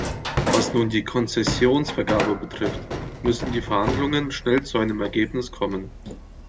Was nun die Konzessionsvergabe betrifft, müssen die Verhandlungen schnell zu einem Ergebnis kommen.